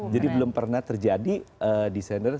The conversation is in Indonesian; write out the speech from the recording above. jadi belum pernah terjadi desainer